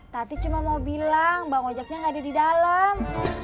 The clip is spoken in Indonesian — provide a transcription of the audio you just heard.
tadi cuma mau bilang bang ojaknya nggak ada di dalam